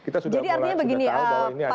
jadi artinya begini pak